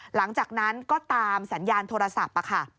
หลังจากนั้นก็ตามสัญญาณโทรศัพท์ค่ะ